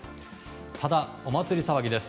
ただ、お祭り騒ぎです。